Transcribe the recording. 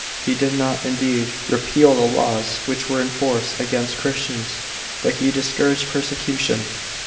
He did not indeed repeal the laws which were in force against Christians, but he discouraged persecution.!